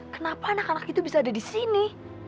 kenapa anak anak itu bisa ada di sini